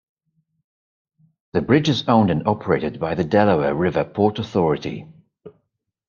The bridge is owned and operated by the Delaware River Port Authority.